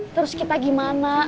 terus kita gimana